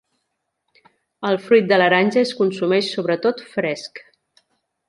El fruit de l'aranja es consumeix sobretot fresc.